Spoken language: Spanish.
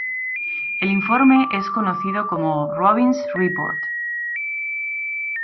El informe es conocido como Robbins Report.